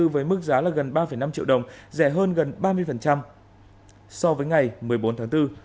với mức giá gần ba năm triệu đồng rẻ hơn gần ba mươi so với ngày một mươi bốn tháng bốn